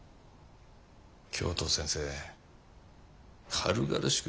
教頭先生軽々しく